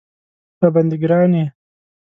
راباندې ګران یې